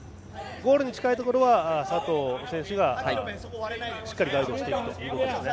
ゴールに近いところは佐藤選手がしっかりガイドしていくということですね。